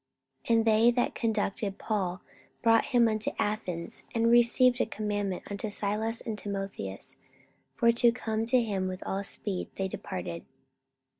44:017:015 And they that conducted Paul brought him unto Athens: and receiving a commandment unto Silas and Timotheus for to come to him with all speed, they departed.